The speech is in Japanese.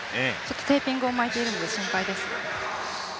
テーピングを巻いているので心配です。